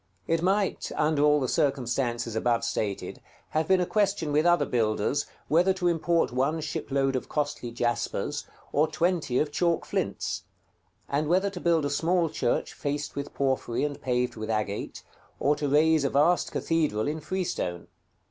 It might, under all the circumstances above stated, have been a question with other builders, whether to import one shipload of costly jaspers, or twenty of chalk flints; and whether to build a small church faced with porphyry and paved with agate, or to raise a vast cathedral in freestone.